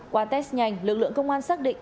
qua test nhanh lực lượng công an xác định